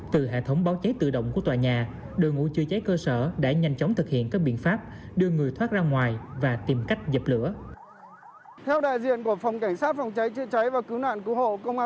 từ hệ thống báo cháy tự động của tòa nhà đội ngũ chữa cháy cơ sở đã nhanh chóng thực hiện các biện pháp đưa người thoát ra ngoài và tìm cách dập lửa